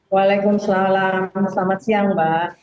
waalaikumsalam selamat siang mbak